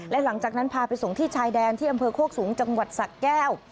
และหลังจากนั้นพาไปส่งที่ชายแดนที่อำเภอโคกสูงจังหวัดสะแก้ว